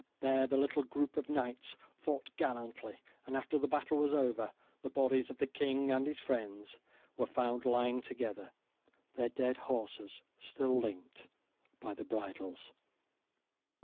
There the little group of knights fought gallantly, and after the battle was over, the bodies of the king and his friends were found lying together, their dead horses still linked by the bridles.